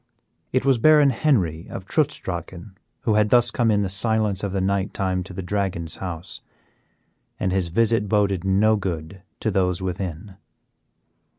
It was Baron Henry of Trutz Drachen who had thus come in the silence of the night time to the Dragon's house, and his visit boded no good to those within.